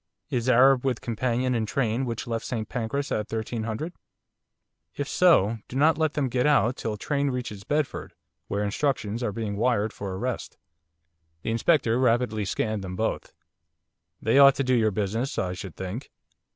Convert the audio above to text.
'Is Arab with companion in train which left St Pancras at 12.0? If so, do not let them get out till train reaches Bedford, where instructions are being wired for arrest.' The Inspector rapidly scanned them both. 'They ought to do your business, I should think.